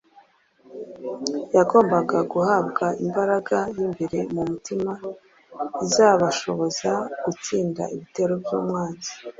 bagombaga guhabwa imbaraga y’imbere mu mutima izabashoboza gutsinda ibitero by’umwanzi .